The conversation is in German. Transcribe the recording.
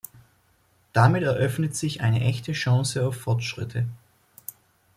Damit eröffnet sich eine echte Chance auf Fortschritte.